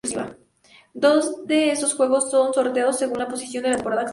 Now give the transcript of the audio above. Dos de esos juegos son sorteados según la posición de la temporada anterior.